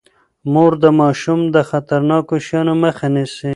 مور د ماشوم د خطرناکو شيانو مخه نيسي.